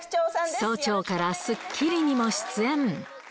早朝からスッキリにも出演。